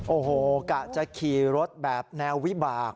โอ้โหกะจะขี่รถแบบแนววิบาก